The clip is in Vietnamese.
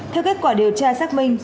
theo kết quả điều tra xác minh